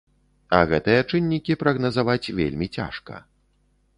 А гэтыя чыннікі прагназаваць вельмі цяжка.